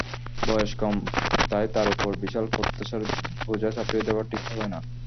বয়স কম, তাই তাঁর ওপর বিশাল প্রত্যাশার বোঝা চাপিয়ে দেওয়া ঠিক হবে না।